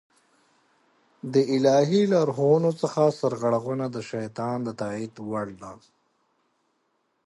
د الهي لارښوونو څخه سرغړونه د شيطان د تائيد وړ ده